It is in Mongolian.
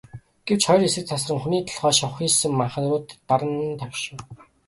Гэвч хоёр хэсэг тасран, хүний толгой шовсхийсэн манхан руу таран давшив.